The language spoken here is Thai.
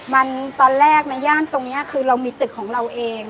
มันตอนแรกในย่านตรงนี้คือเรามีตึกของเราเอง